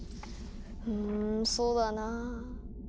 うんそうだなぁ。